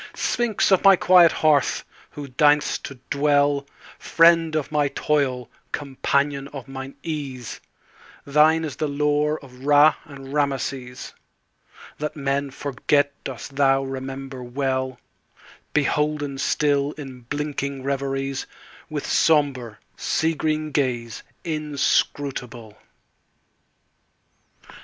Sphinx of my quiet hearth! who deign'st to dwellFriend of my toil, companion of mine ease, Thine is the lore of Ra and Rameses; That men forget dost thou remember well, Beholden still in blinking reveriesWith sombre, sea green gaze inscrutable.